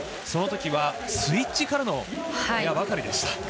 そのときはスイッチからのエアばかりでした。